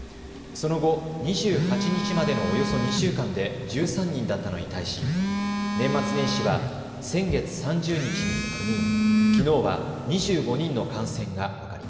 その後、２８日までのおよそ２週間で１３人だったのに対し年末年始は先月３０日に９人、